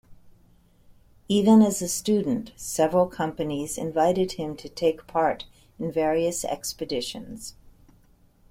Even as a student, several companies invited him to take part in various expeditions.